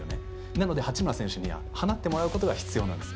なので、八村選手には放ってもらうことが必要なんです。